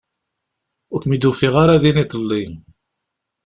Ur kem-id-ufiɣ ara din iḍelli.